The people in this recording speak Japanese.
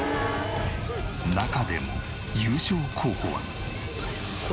中でも優勝候補は。